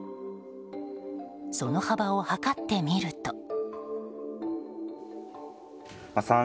その幅を計ってみると。